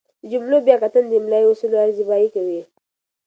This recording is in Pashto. د جملو بیا کتنه د املايي اصولو ارزیابي کوي.